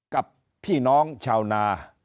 กับพี่น้องชาวนา